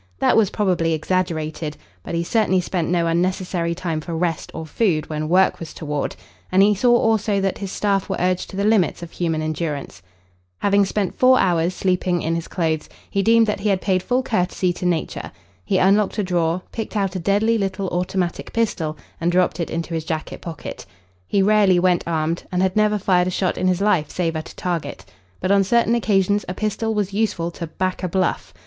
That was probably exaggerated, but he certainly spent no unnecessary time for rest or food when work was toward and he saw also that his staff were urged to the limits of human endurance. Having spent four hours sleeping in his clothes, he deemed that he had paid full courtesy to nature. He unlocked a drawer, picked out a deadly little automatic pistol, and dropped it into his jacket pocket. He rarely went armed, and had never fired a shot in his life save at a target. But on certain occasions a pistol was useful to "back a bluff."